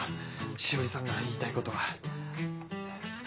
詩織さんが言いたいことは。